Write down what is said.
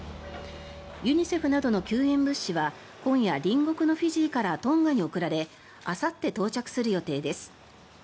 ユニセフなどの救援物資は今夜、隣国のフィジーからトンガに送られあさって、到着する予定です。